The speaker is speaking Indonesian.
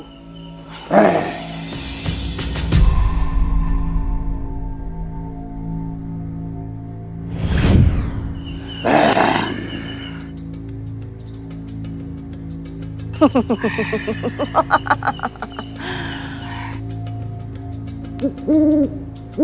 kami akan menjadi abdi setiaku